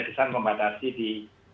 pilihan membatasi di